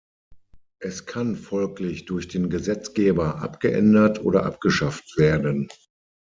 Es kann folglich durch den Gesetzgeber abgeändert oder abgeschafft werden.